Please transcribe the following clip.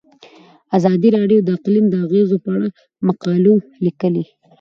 ازادي راډیو د اقلیم د اغیزو په اړه مقالو لیکلي.